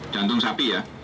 jantung sapi ya